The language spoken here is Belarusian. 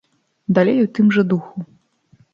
Далей у тым жа духу.